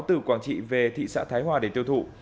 từ quảng trị về thị xã thái hòa để tiêu thụ